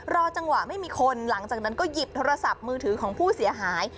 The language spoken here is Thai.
รอจังหวะไม่มีคนหลังจากนั้นก็หยิบโทรศัพท์มือถือของผู้เสียหาย